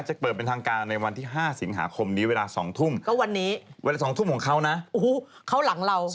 จะเปิดเป็นทางการในวันที่ห้าสิงหาคมนี้เวลาสองทุ่มก็วันนี้เวลาสองทุ่มของเขานะโอ้โหเขาหลังเรา